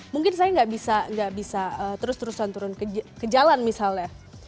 mungkin saya gak bisa gak bisa terus terusan turun ke jalan misalnya